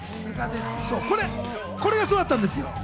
これがそうだったんです。